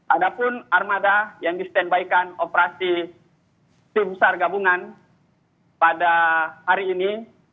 ada pun armada yang disetembaikan operasi tim sargabungan pada hari ini